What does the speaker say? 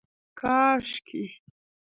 کاشکي